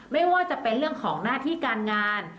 ไม่ว่าจะเป็นเรื่องของหน้าที่การงาน